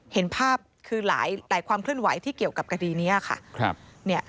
เห็นภาพคือหลายความเคลื่อนไหวที่เกี่ยวกับคดีนี้ค่ะ